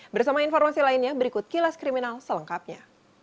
bersama informasi lainnya berikut kilas kriminal selengkapnya